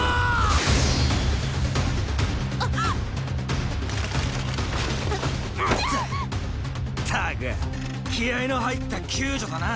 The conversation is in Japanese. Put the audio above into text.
ったく気合いの入った宮女だな！